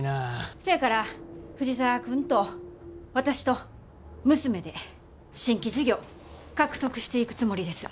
せやから藤沢君と私と娘で新規事業獲得していくつもりです。